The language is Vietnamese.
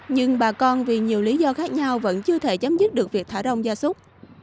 nhưng bà con vì nhiều lý do khác nhau vẫn chưa thể chấm dứt được việc thả rông gia súc